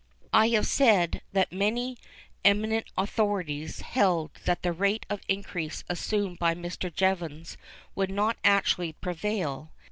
I have said that many eminent authorities held that the rate of increase assumed by Mr. Jevons would not actually prevail.